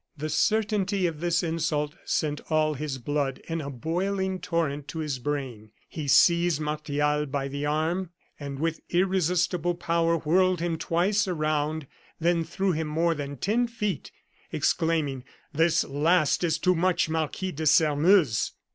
The certainty of this insult sent all his blood in a boiling torrent to his brain. He seized Martial by the arm, and with irresistible power whirled him twice around, then threw him more than ten feet, exclaiming: "This last is too much, Marquis de Sairmeuse!"